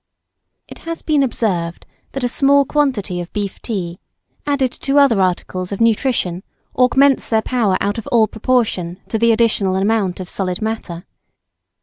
It has been observed that a small quantity of beef tea added to other articles of nutrition augments their power out of all proportion to the additional amount of solid matter.